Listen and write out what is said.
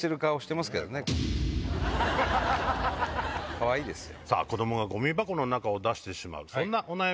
かわいいですよ。